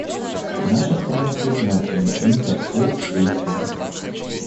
Наша страна признательна им за всю эту деятельность.